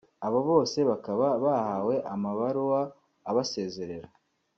aba bose bakaba bahawe amabaruwa abasezerera